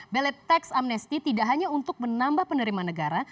bellet tax amnesty tidak hanya untuk menambah penerimaan negara